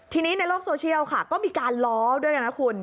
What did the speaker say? ทีนี้ในโลกโซเชียลค่ะก็มีการล้อด้วยกันนะคุณ